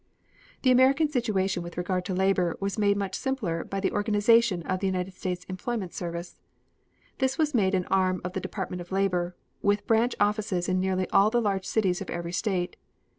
The American situation with regard to labor was made much simpler by the organization of the United States Employment Service. This was made an arm of the Department of Labor, with branch offices in nearly all the large cities of every state.